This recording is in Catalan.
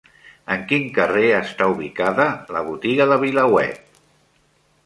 En quin carrer està ubicada la Botiga de VilaWeb?